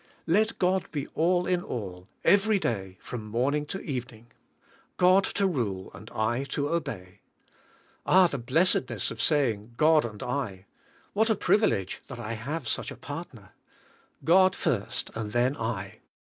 Let God be all in all every day, from morning to evening. God to rule and I to obey. Ah, the blessedness of saying, "God and I!" Whataprivilege that I have such a partner! Godfirst, and then I!